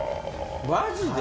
マジで？